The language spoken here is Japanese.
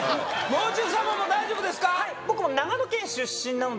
もう中様も大丈夫ですか？